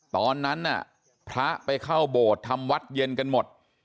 ตอนนั้นน่ะพระไปเข้าโบสถ์ทำวัดเย็นกันหมด